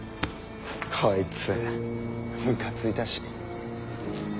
こいつむかついたし。